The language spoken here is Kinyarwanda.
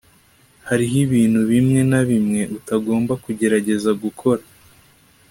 hariho ibintu bimwe na bimwe utagomba kugerageza gukora